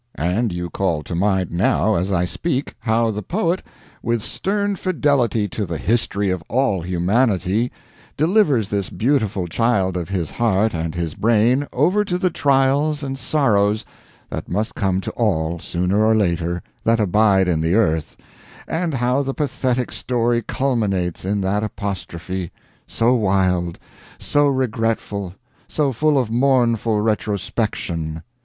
And you call to mind now, as I speak, how the poet, with stern fidelity to the history of all humanity, delivers this beautiful child of his heart and his brain over to the trials and sorrows that must come to all, sooner or later, that abide in the earth, and how the pathetic story culminates in that apostrophe so wild, so regretful, so full of mournful retrospection.